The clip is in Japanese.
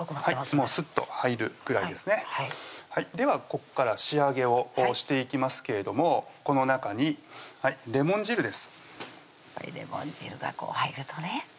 もうスッと入るぐらいですねではこっから仕上げをしていきますけれどもこの中にレモン汁ですはいレモン汁がこう入るとね